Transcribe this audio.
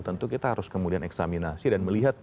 tentu kita harus kemudian eksaminasi dan melihat